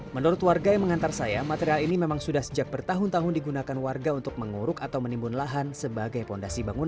menurut warga yang mengantar saya material ini memang sudah sejak bertahun tahun digunakan warga untuk menguruk atau menimbun lahan sebagai fondasi bangunan